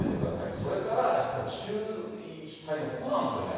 それからやっぱり、注意したいの、ここなんですよね。